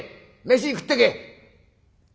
飯食ってけ」。